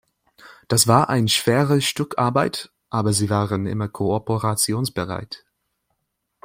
Das war ein schweres Stück Arbeit, aber Sie waren immer kooperationsbereit.